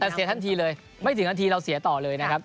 แต่เสียทันทีเลยไม่ถึงนาทีเราเสียต่อเลยนะครับ